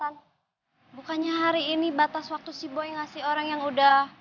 bukannya hari ini batas waktu si boy ngasih orang yang udah